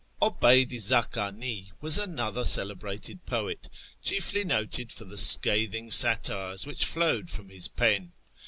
'Obeyd i Zakani was another celebrated poet, chiefly noted for the scathing satires which flowed from his pen.